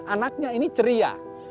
anaknya ini ceria